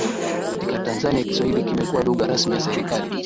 Katika Tanzania Kiswahili kimekuwa lugha rasmi ya serikali